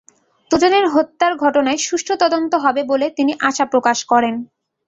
দুজনের হত্যার ঘটনায় সুষ্ঠু তদন্ত হবে বলে তিনি আশা প্রকাশ করেন।